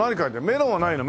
メロンはないの？